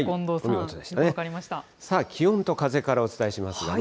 さあ、気温と風からお伝えします。